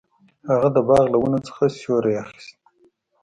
هغه د باغ له ونو څخه سیوری اخیست.